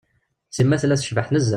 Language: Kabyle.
Sima tella tecbeḥ nezzeh.